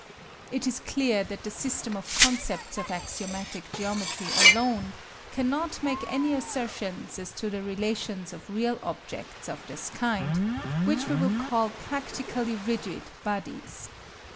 It is clear that the system of concepts of axiomatic geometry alone cannot make any assertions as to the relations of real objects of this kind, which we will call practically rigid bodies.